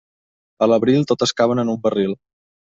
A l'abril, totes caben en un barril.